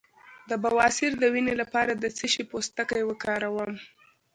د بواسیر د وینې لپاره د څه شي پوستکی وکاروم؟